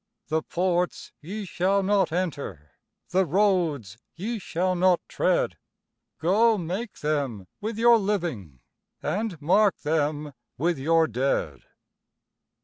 The ports ye shall not enter, The roads ye shall not tread, Go make them with your living, And mark them with your dead.